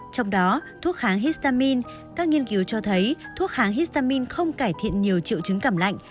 trong đó thuốc kháng histamin các nghiên cứu cho thấy thuốc kháng histamin không cải thiện nhiều triệu chứng cảm lạnh